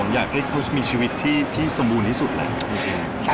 อยากให้เขามีชีวิตที่สมบูรณ์ที่สุดแหละโอเค